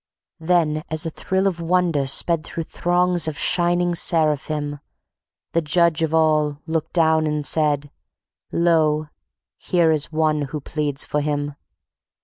Then, as a thrill of wonder sped Through throngs of shining seraphim, The Judge of All looked down and said: "Lo! here is ONE who pleads for him.